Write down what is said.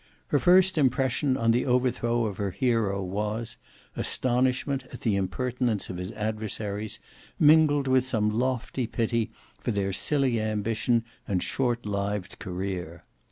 Her first impression on the overthrow of her hero was, astonishment at the impertinence of his adversaries, mingled with some lofty pity for their silly ambition and short lived career.